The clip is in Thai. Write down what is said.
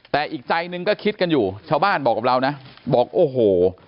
แต่อีกใจหนึ่งก็คิดกันอยู่ชาวบ้านบอกกับเรานะบอกโอ้โห